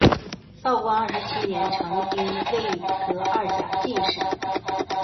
道光二十七年成丁未科二甲进士。